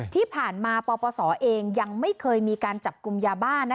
ที่ผ่านมาปปศเองยังไม่เคยมีการจับกลุ่มยาบ้านะ